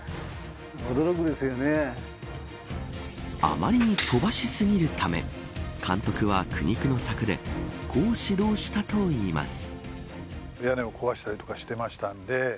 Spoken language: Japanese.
あまりに飛ばし過ぎるため監督は苦肉の策でこう指導したといいます。